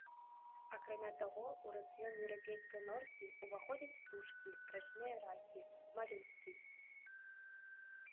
Акрамя таго, у рацыён еўрапейскай норкі ўваходзяць птушкі, рачныя ракі, малюскі.